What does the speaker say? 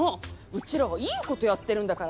うちらはいいことやってるんだから。